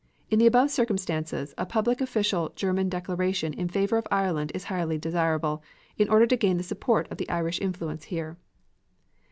In the above circumstances, a public official German declaration in favor of Ireland is highly desirable, in order to gain the support of the Irish influence here.